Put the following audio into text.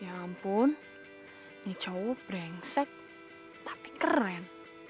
ya ampun nih cowok brengsek tapi keren